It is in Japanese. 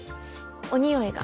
おにおいが？